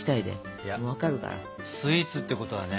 いやスイーツってことはね